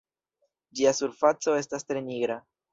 Ĝia surfaco estas tre nigra.